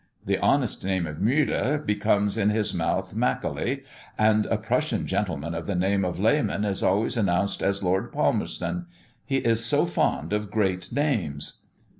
The honest name of Müller becomes in his mouth Macaulay, and a Prussian gentleman of the name of Lehman is always announced as Lord Palmerston. He is so fond of great names."